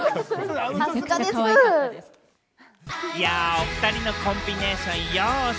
おふたりのコンビネーション、よし！